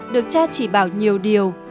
được cha chỉ bảo nhiều điều